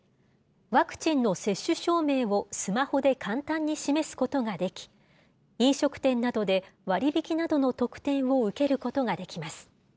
ワクチンの接種証明をスマホで簡単に示すことができ、飲食店などで割引などの特典を受けることができます。